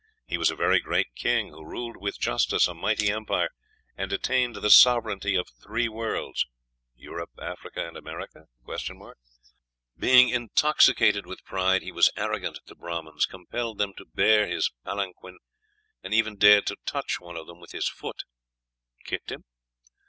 He was a very great king, who ruled with justice a mighty empire, and attained the sovereignty of three worlds." (Europe, Africa, and America?) "Being intoxicated with pride, he was arrogant to Brahmans, compelled them to bear his palanquin, and even dared to touch one of them with his foot" (kicked him?)